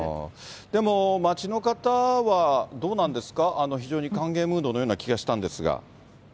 でも、町の方はどうなんですか、非常に歓迎ムードのような気がしたんですが。